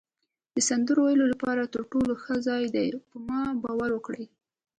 د سندرو ویلو لپاره تر ټولو ښه ځای دی، په ما باور وکړئ.